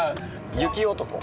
雪男。